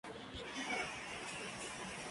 Conserva restos de una torre en la plaza mayor.